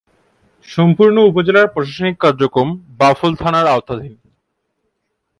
সম্পূর্ণ উপজেলার প্রশাসনিক কার্যক্রম বাউফল থানার আওতাধীন।